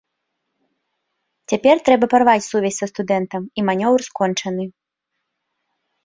Цяпер трэба парваць сувязь са студэнтам, і манеўр скончаны.